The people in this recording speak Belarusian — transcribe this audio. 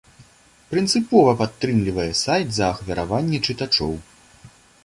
Прынцыпова падтрымлівае сайт за ахвяраванні чытачоў.